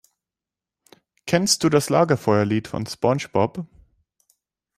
Kennst du das Lagerfeuerlied von SpongeBob?